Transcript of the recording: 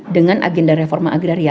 dengan agenda reforma agraria